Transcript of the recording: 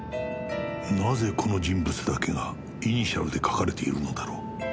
なぜこの人物だけがイニシャルで書かれているのだろう？